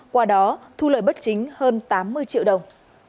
qua đó thu lời bất chính hơn tám mươi triệu đồng